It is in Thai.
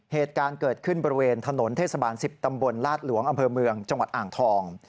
เหตุการณ์เกิดขึ้นบริเวณถนนเทศบาล๑๐ตำบลลาดหลวงอำเภอเมืองจังหวัดอ่างทอง